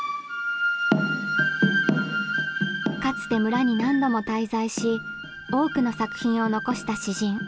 かつて村に何度も滞在し多くの作品を残した詩人